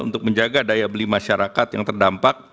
untuk menjaga daya beli masyarakat yang terdampak